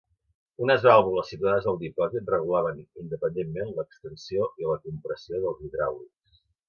Unes vàlvules situades al dipòsit regulaven independentment l'extensió i la compressió dels hidràulics.